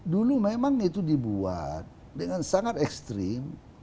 dulu memang itu dibuat dengan sangat ekstrim